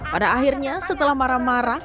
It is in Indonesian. pada akhirnya setelah marah marah